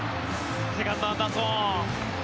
セカンド、アンダーソン。